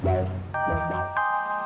selamat tidur ya sayang